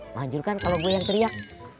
manjur kan kalau gue yang teriak